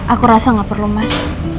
aku rasa gak perlu mas